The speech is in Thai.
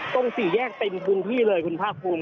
ตรง๔แยกเต็มพื้นที่เลยคุณฐานคลุม